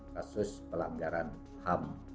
kasus pelanggaran ham